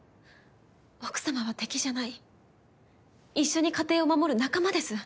奥様は敵じゃない一緒に家庭を守る仲間です。